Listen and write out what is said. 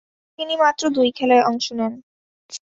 তিনি মাত্র দুই খেলায় অংশ নেন।